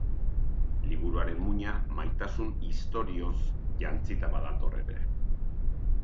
Liburuaren muina, maitasun istorioz jantzita badator ere.